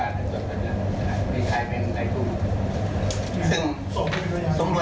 ซึ่งสมรวยมีอยู่ในสำนวนนะครับผมแล้วก็ผมก็บอกว่าเขาไม่ได้เกี่ยวกันนะครับให้ตรวจสอบกันดี